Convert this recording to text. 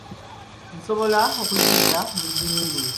Nsobola okuziyita muzinge.